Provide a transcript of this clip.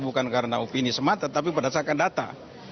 bukan karena opini semata tapi berdasarkan data